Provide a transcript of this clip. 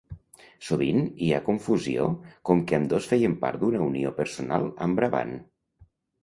Sovint hi ha confusió com que ambdós feien part d'una unió personal amb Brabant.